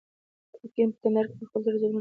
ګرګین په کندهار کې پر خلکو ډېر ظلمونه کول.